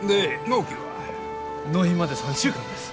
納品まで３週間です。